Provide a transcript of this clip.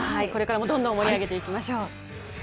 これからもどんどん盛り上げていきましょう。